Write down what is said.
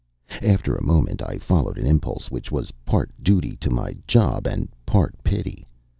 After a moment, I followed an impulse which was part duty to my job and part pity.